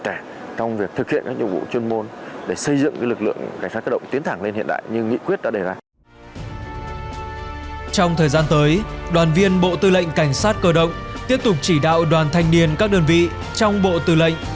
trong thời gian tới đoàn viên bộ tư lệnh cảnh sát cơ động tiếp tục chỉ đạo đoàn thanh niên các đơn vị trong bộ tư lệnh